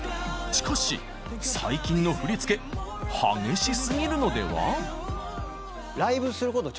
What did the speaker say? しかし最近の振り付け激しすぎるのでは？